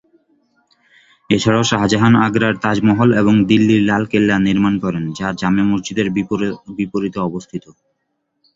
এছাড়াও শাহজাহান আগ্রার তাজমহল এবং দিল্লির লাল কেল্লা নির্মাণ করেন, যা জামে মসজিদের বিপরীতে অবস্থিত।